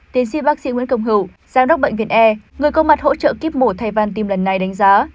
tiến sĩ bác sĩ nguyễn công hữu giám đốc bệnh viện e người có mặt hỗ trợ kíp mổ thay van tim lần này đánh giá